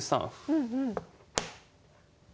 うんうん。